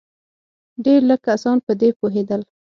ډېر لږ کسان په دې پوهېدل.